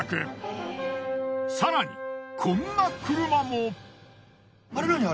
更にこんな車も。